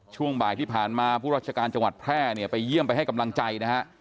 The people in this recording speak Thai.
ช่วงบ่ายที่ผ่านมาผู้ราชการจังหวัดแพร่เนี่ยไปเยี่ยมไปให้กำลังใจนะฮะ